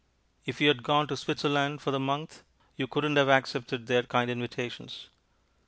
If you had gone to Switzerland for the month, you couldn't have accepted their kind invitations.